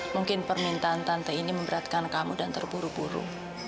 mungkin permintaan tante ini memberatkan kamu dan terburu buru